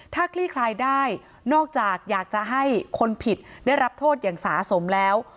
ถ้าคลี่คลายได้นอกจากอยากจะให้คนผิดได้รับโทษอย่างสาสมแล้ว